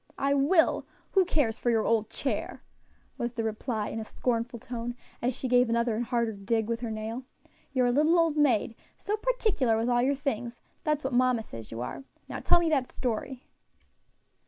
"I will; who cares for your old chair?" was the reply in a scornful tone, as she gave another and harder dig with her nail. "You're a little old maid so particular with all your things that's what mamma says you are. Now tell me that story."